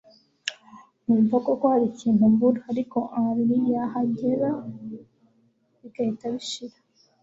nkumva koko hari ikintu mbura ariko Henry yahagera bigahita bishira